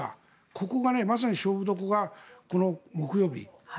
ここがまさに勝負どころがこの木曜日。